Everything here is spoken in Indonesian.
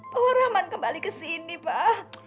pak rahman kembali ke sini pak